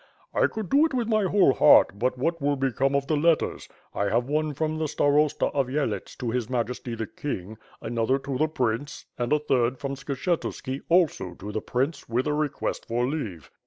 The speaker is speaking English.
"I would do it with my whole heart, but what will become of the letters. I have one from the starosta of Yelets to His Majesty the king, another to the prince, and a third from Skshetuski, also to the prince, with a request for leave."